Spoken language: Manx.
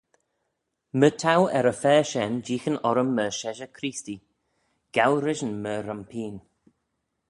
My t'ou er-y-fa shen jeeaghyn orrym myr sheshey-creestee, gow rishyn myr rhym pene.